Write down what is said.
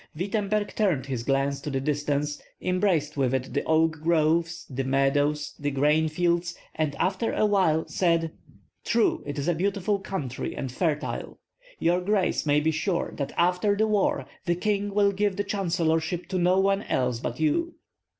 Wittemberg turned his glance to the distance, embraced with it the oak groves, the meadows, the grain fields, and after a while said: "True, it is a beautiful country and fertile. Your grace may be sure that after the war the king will give the chancellorship to no one else but you."